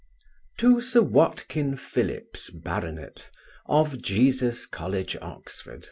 To Sir WATKIN PHILLIPS, Bart. of Jesus college, Oxon.